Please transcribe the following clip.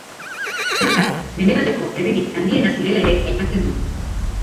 Zeltak Mendebaldeko herririk handiena zirela ere aipatzen du.